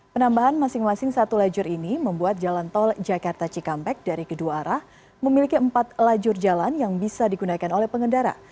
penambahan masing masing satu lajur ini membuat jalan tol jakarta cikampek dari kedua arah memiliki empat lajur jalan yang bisa digunakan oleh pengendara